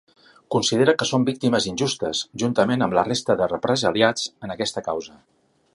Considera que són víctimes injustes, juntament amb la resta de represaliats en aquesta causa.